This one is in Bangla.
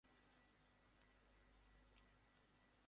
অশোক হত্যা করার জন্য অগ্রিম নিয়েছিল।